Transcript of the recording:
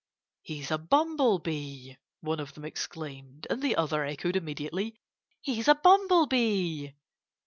"He's a bumblebee!" one of them exclaimed. And the other echoed immediately, "He's a bumblebee!"